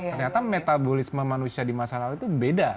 ternyata metabolisme manusia di masa lalu itu beda